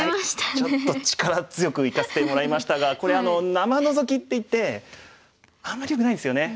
ちょっと力強くいかせてもらいましたがこれ生ノゾキっていってあんまりよくないんですよね。